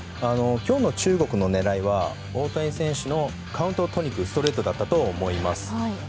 今日の中国の狙いは大谷選手のカウントを取りに行くストレートだったと思います。